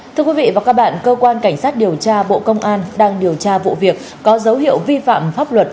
thưa quý vị và các bạn cơ quan cảnh sát điều tra bộ công an đang điều tra vụ việc có dấu hiệu vi phạm pháp luật